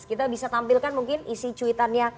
kita bisa tampilkan mungkin isi cuitannya